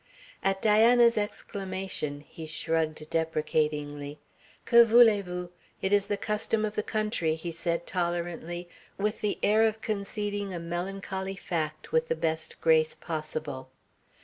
At Diana's exclamation he shrugged deprecatingly. "Que voulez vous? It is the custom of the country," he said tolerantly, with the air of conceding a melancholy fact with the best grace possible.